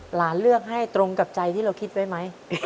หลานเลือกให้ตรงกับใจที่เราคิดไว้ไหม